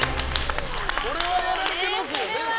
これはやられてますよね。